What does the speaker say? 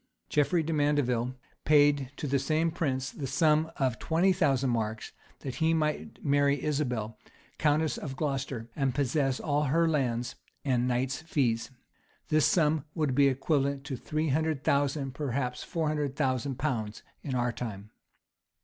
[*] Geoffrey de Mandeville paid to the same prince the sum of twenty thousand marks, that he might marry Isabel, countess of Glocester, and possess all her lands and knights' fees. This sum would be equivalent to three hundred thousand, perhaps four hundred thousand pounds in our time.